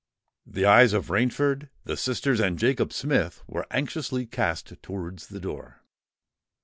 The eyes of Rainford, the sisters, and Jacob Smith were anxiously cast towards the door.